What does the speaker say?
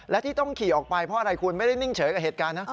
และที่ต้องขี่ออกไปเพราะอะไรคุณไม่ได้นิ่งเฉยกับเหตุการณ์นะ